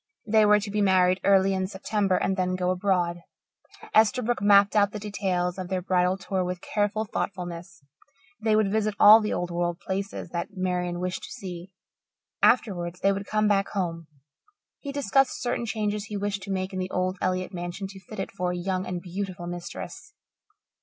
They were to be married early in September and then go abroad. Esterbrook mapped out the details of their bridal tour with careful thoughtfulness. They would visit all the old world places that Marian wished to see. Afterwards they would come back home. He discussed certain changes he wished to make in the old Elliott mansion to fit it for a young and beautiful mistress.